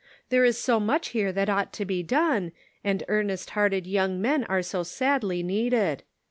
There is so much here that ought to be done, and earnest hearted young men are so sadly needed.